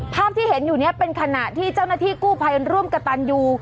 ภาพที่เห็นอยู่นี้เป็นขณะที่เจ้าหน้าที่กู้ภัยร่วมกับตันยู